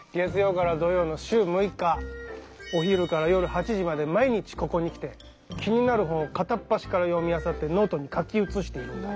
だからねお昼から夜８時まで毎日ここに来て気になる本を片っ端から読みあさってノートに書き写しているんだ。